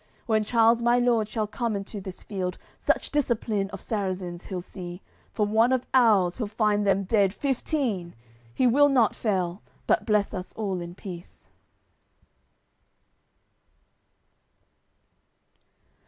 When Charles my lord shall come into this field, Such discipline of Sarrazins he'll see, For one of ours he'll find them dead fifteen; He will not fail, but bless us all in peace."